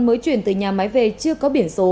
mới chuyển từ nhà máy về chưa có biển số